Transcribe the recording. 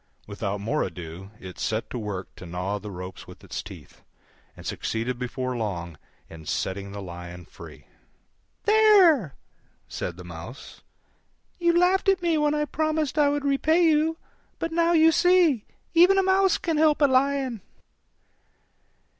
Without more ado it set to work to gnaw the ropes with its teeth, and succeeded before long in setting the Lion free. "There!" said the Mouse, "you laughed at me when I promised I would repay you: but now you see, even a Mouse can help a Lion."